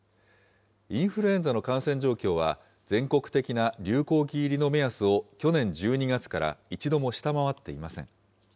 インフルエンザの感染状況は、全国的な流行期入りの目安を去年１２月から一度も下回っていません。